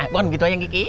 bukan gitu yang kiki